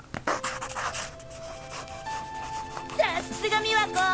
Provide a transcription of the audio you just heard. さっすが美和子！